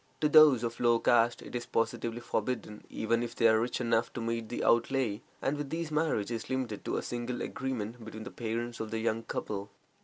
To those of low caste it is positively forbidden, even if they are rich enough to meet the outlay, and with these marriage is limited to a simple agreement between the parents of the young couple.